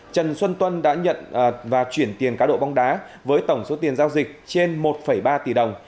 trần xuân tuân đã nhận và chuyển tiền cá độ bóng đá với tổng số tiền giao dịch trên một ba tỷ đồng